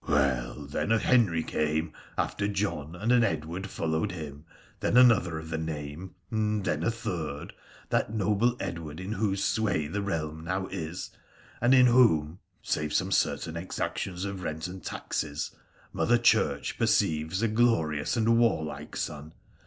' Well, then, a Henry came after John, and an Edward followed him — then another of the name — and then a third —■ that noble Edward in whose sway the realm now is, and in whom (save some certain exactions of rent and taxes) Mother Church perceives a glorious and a warlike son.